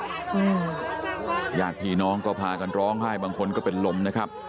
ญาติพี่น้องก็พากันร้องไห้บางคนก็เป็นลมนะครับ